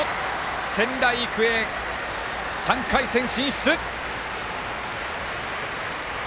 仙台育英、３回戦進出！